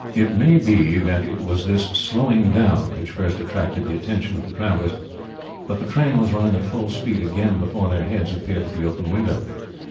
It may be that it was this slowing down which first attracted the attention of the travellers, but the train was running at full speed again before their heads appeared at the open window.